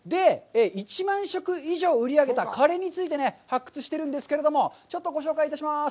１万食以上売り上げたカレーについてね、発掘してるんですけれども、ちょっとご紹介いたします。